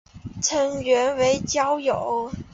成员为教友。